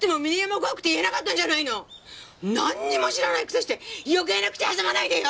なんにも知らないくせして余計な口挟まないでよ！